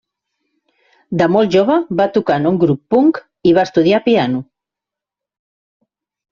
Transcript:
De molt jove va tocar en un grup punk i va estudiar piano.